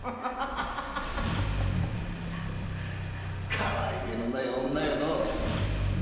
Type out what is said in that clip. かわいげのない女よのう。